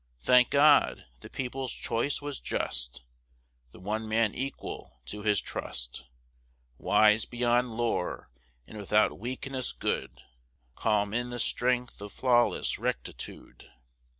Thank God! the people's choice was just, The one man equal to his trust, Wise beyond lore, and without weakness good, Calm in the strength of flawless rectitude!